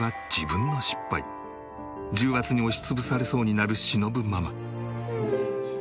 重圧に押し潰されそうになるしのぶママ。